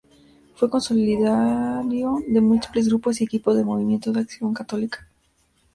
Fue consiliario de múltiples grupos y equipos del movimiento de Acción Católica.